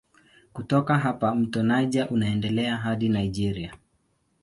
Kutoka hapa mto Niger unaendelea hadi Nigeria.